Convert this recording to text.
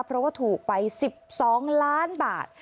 เพราะว่าถูกไป๑๒ล้านบาท